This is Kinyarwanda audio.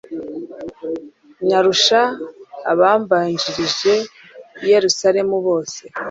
nyarusha abambanjirije i yeruzalemu bose